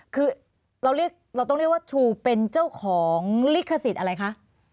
คือเราต้องเรียกว่าทรูเป็นเจ้าของลิขสิทธิ์อะไรคะ